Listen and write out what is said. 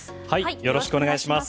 よろしくお願いします。